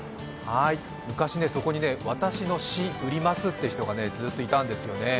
昔ね、そこにね、私の詩売りますって人がずっといたんだよね。